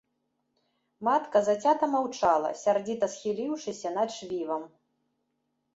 Матка зацята маўчала, сярдзіта схіліўшыся над швівам.